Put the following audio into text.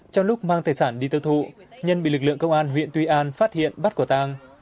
trong lúc mang tài sản đi tơ thụ nhân bị lực lượng công an huyện tuy an phát hiện bắt cổ tàng